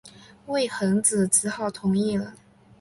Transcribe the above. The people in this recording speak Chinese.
魏桓子只好同意了。